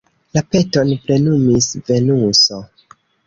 La peton plenumis Venuso.